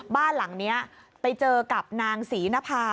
บ้านหลังนี้ไปเจอกับนางศรีนภา